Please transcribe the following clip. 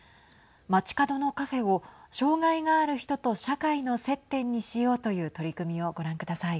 街角のカフェを障害がある人と社会の接点にしようという取り組みをご覧ください。